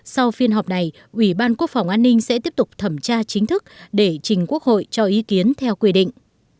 sau phiên họp này ủy ban quốc phòng an ninh sẽ tiếp tục thẩm tra chính thức để trình quốc hội cho ý kiến theo quy định